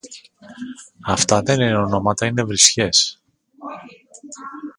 Αυτά δεν είναι ονόματα, είναι βρισιές